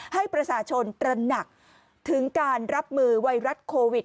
ให้ประชาชนตระหนักถึงการรับมือไวรัสโควิด